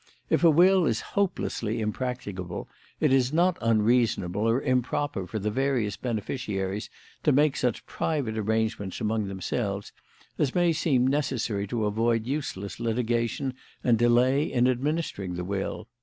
If a will is hopelessly impracticable, it is not unreasonable or improper for the various beneficiaries to make such private arrangements among themselves as may seem necessary to avoid useless litigation and delay in administering the will.